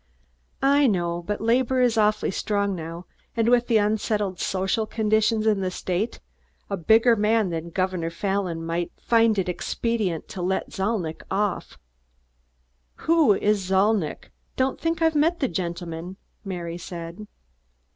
"I know, but labor is awfully strong now, and with the unsettled social conditions in the state, a bigger man than Governor Fallon might find it expedient to let Zalnitch off." "Who is Zalnitch? Don't think I've met the gentleman," Mary said.